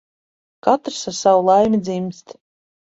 Katrs ar savu laimi dzimst.